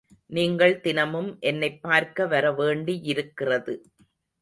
நீங்கள் தினமும் என்னைப் பார்க்க வரவேண்டியிருக்கிறது.